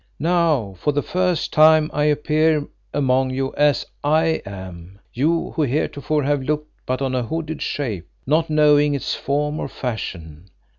Now for the first time I appear among you as I am, you who heretofore have looked but on a hooded shape, not knowing its form or fashion.